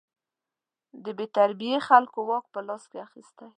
د بې تربیې خلکو واک په لاس کې اخیستی.